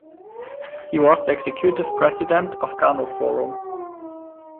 He was the executive President of Gano Forum.